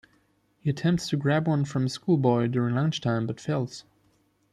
He attempts to grab one from a schoolboy during lunch time but fails.